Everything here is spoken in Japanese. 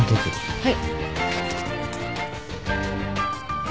はい。